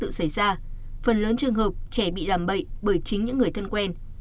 trước đó có nhiều vụ án tương tự xảy ra phần lớn trường hợp trẻ bị làm bậy bởi chính những người thân quen